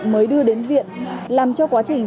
mới đưa đến viện làm cho quá trình